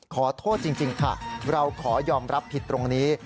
ขอโทษจริงค่ะเราขอยอมรับผิดตรงนี้